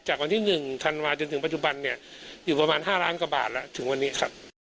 จากวันที่๑ธันวาจนถึงปัจจุบันเนี่ยอยู่ประมาณ๕ล้านกว่าบาทแล้วถึงวันนี้ครับ